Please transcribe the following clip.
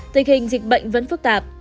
tình hình dịch bệnh vẫn phức tạp